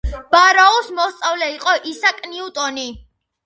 ბაროუს მოსწავლე იყო ისააკ ნიუტონი.